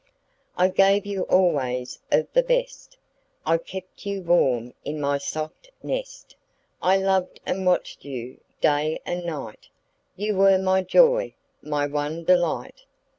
I gave you always of the best; I kept you warm in my soft nest. I loved and watched you day and night You were my joy, my one delight.